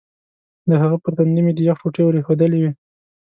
د هغه پر تندي مې د یخ ټوټې ور ایښودلې وې.